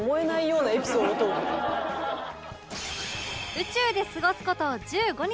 宇宙で過ごす事１５日